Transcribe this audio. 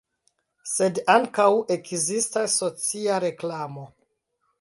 Sed ankaŭ ekzistas socia reklamo.